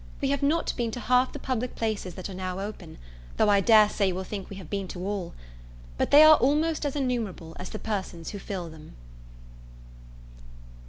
We have not been to half the public places that are now open, though I dare say you will think we have been to all. But they are almost as innumerable as the persons who fill them.